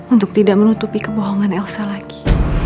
untuk tidak menutupi kebohongan elsa lagi